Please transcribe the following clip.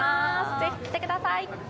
ぜひ来てください。